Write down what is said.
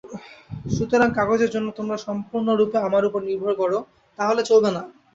সুতরাং কাগজের জন্য তোমরা সম্পূর্ণরূপে আমার ওপর নির্ভর কর, তাহলে চলবে না।